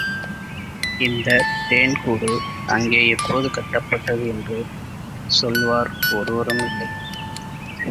இந்தத் தேன் கூடு, அங்கே எப்போது கட்டப்பட்டது என்று சொல்வார் ஒருவரும் இல்லை.